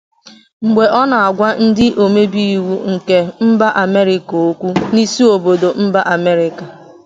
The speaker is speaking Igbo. Mgbe ọ na-agwa ndị omebe iwu nke mba Amerịka okwu n’isi obodo mba Amerịka